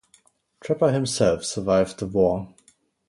Trepper himself survived the war.